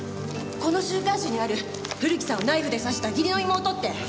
この週刊誌にある古木さんをナイフで刺した義理の妹って。